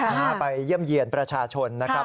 นะฮะไปเยี่ยมเยี่ยนประชาชนนะครับ